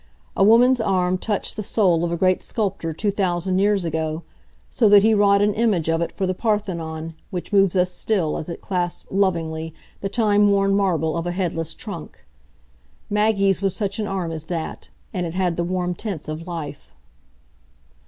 A woman's arm touched the soul of a great sculptor two thousand years ago, so that he wrought an image of it for the Parthenon which moves us still as it clasps lovingly the timeworn marble of a headless trunk. Maggie's was such an arm as that, and it had the warm tints of life.